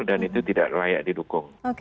dan itu tidak layak didukung